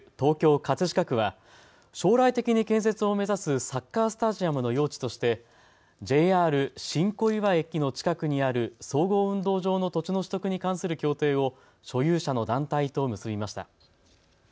葛飾区は将来的に建設を目指すサッカースタジアムの用地としてＪＲ新小岩駅の近くにある総合運動場の土地の取得に関する協定を所有者の団体と結びました。